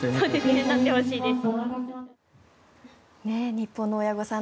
日本の親御さん